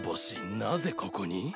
なぜここに？